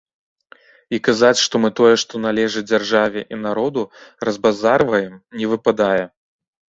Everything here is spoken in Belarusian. І казаць, што мы тое, што належыць дзяржаве і народу, разбазарваем, не выпадае.